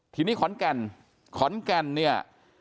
ทีนี้ขอนแก่นขอนแก่นเนี่ย